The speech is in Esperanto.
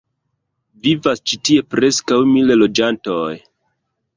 Vivas ĉi tie preskaŭ mil loĝantoj.